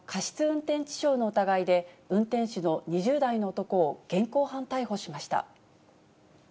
運転致傷の疑いで、運転手の２０代の男を現行犯逮捕しました。